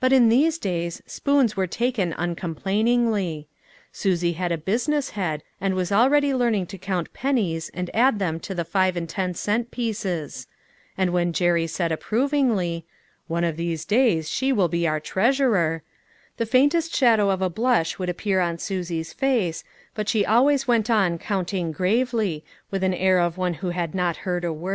But in these days, spoons were taken uncom plainingly. Susie had a business head, and was already learning to count pennies and add them to the five and ten cent pieces; and when Jerry said approvingly :" One of these days, she will be our treasurer," the faintest shadow of a blush would appear on Susie's face, but she always went on counting gravely, with an air of one who had not heard a word.